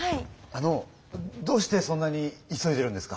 あのどうしてそんなに急いでるんですか？